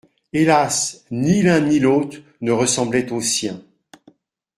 Hélas !… ni l'un ni l'autre ne ressemblait au sien.